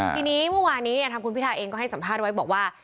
ทีนี้เมื่อวานี้ทางคุณพิทาเองก็ให้สัมภาษณ์ไว้บอกว่า